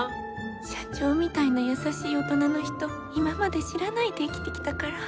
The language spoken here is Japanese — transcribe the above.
社長みたいな優しい大人の人今まで知らないで生きてきたから。